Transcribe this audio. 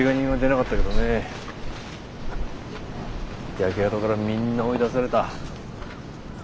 焼け跡からみんな追い出された。